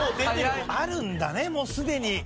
あるんだねもうすでに。